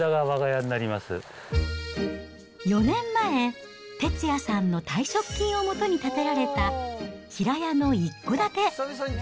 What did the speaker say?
４年前、哲也さんの退職金をもとに建てられた、平屋の一戸建て。